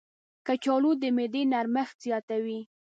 کچالو د معدې نرمښت زیاتوي.